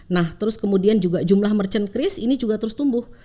nah terus kemudian juga jumlah merchant cris ini juga terus tumbuh